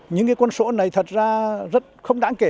những con số này thật ra rất không đáng kể